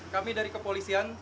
kami dari kepolisian